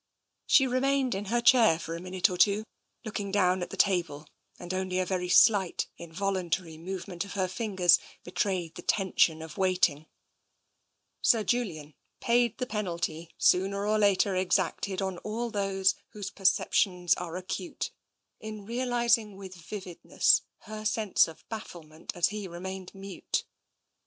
She remained in her chair for a minute or two, looking down at the table, and only a very slight, in voluntary movement of her fingers betrayed the ten sion of waiting. Sir Julian paid the penalty sooner or later exacted of all those whose perceptions are acute, in realising with vividness her sense of bafflement as he remained mute.